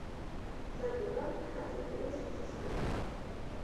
მზადდება რქაწითელის ჯიშის ყურძნიდან.